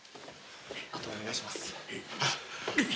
あとはお願いします。